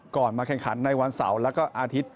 มาแข่งขันในวันเสาร์แล้วก็อาทิตย์